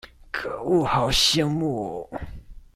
可惡好羨慕喔